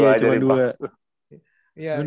dua aja di paksu